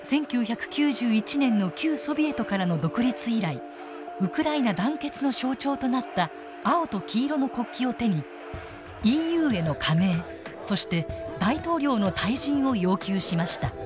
１９９１年の旧ソビエトからの独立以来ウクライナ団結の象徴となった青と黄色の国旗を手にＥＵへの加盟そして大統領の退陣を要求しました。